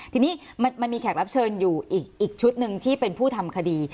ทีนี้มันมีแขกรับเชิญอยู่อีกชุดหนึ่งที่เป็นผู้ทำคดี